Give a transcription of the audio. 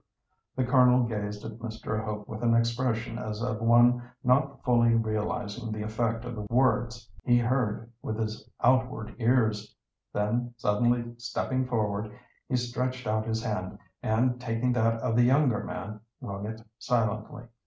The Colonel gazed at Mr. Hope with an expression as of one not fully realising the effect of the words he heard with his outward ears. Then suddenly stepping forward, he stretched out his hand, and taking that of the younger man wrung it silently.